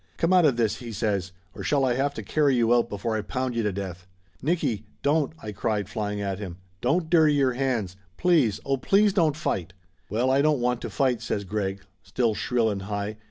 "Come out of this!" he says. "Or shall I have to carry you out before I pound you to death ?" "Nicky! Don't!" I cried, flying at him. "Don't dirty your hands. Please oh, please don't fight!" "Well, I don't want to fight !" says Greg, still shrill and high.